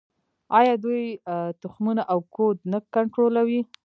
آیا دوی تخمونه او کود نه کنټرولوي؟